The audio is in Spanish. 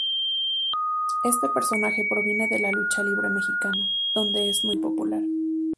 Este personaje proviene de la lucha libre mexicana, donde es muy popular.